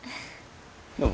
どうも。